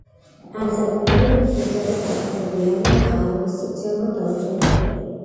ამ საქმიანობით ძირითადად დაკავებული არიან ღარიბი, სოციალურად დაუცველი ადამიანები.